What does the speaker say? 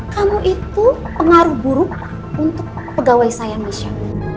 kamu itu pengaruh buruk untuk pegawai saya